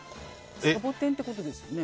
サボテンってことですよね？